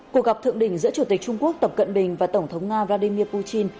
cuộc gặp thượng đỉnh giữa chủ tịch trung quốc tập cận bình và tổng thống nga vladimir putin